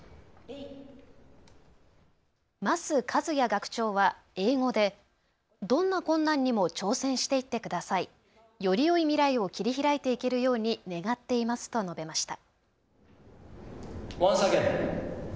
益一哉学長は英語でどんな困難にも挑戦していってください。よりよい未来を切り開いていけるように願っていますと述べました。